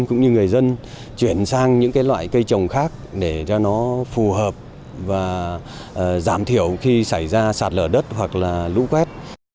cũng như người dân chuyển sang những loại cây trồng khác để cho nó phù hợp và giảm thiểu khi xảy ra sạt lở đất hoặc là lũ quét